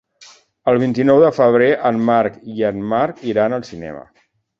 El vint-i-nou de febrer en Marc i en Marc iran al cinema.